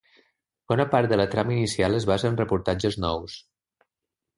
Bona part de la trama inicial es basa en reportatges nous.